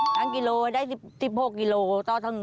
ชั้งกิโลจะได้๑๖กิโลต่อทั้ง